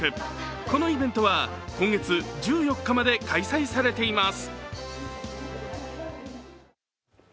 このイベントは今月１４日まで開催されています。